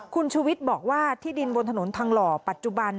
คุณชุวิตบอกว่าที่ดินบนถนนทองหล่อปัจจุบัน